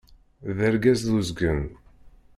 D argaz d uzgen!